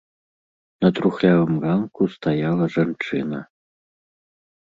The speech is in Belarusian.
На трухлявым ганку стаяла жанчына.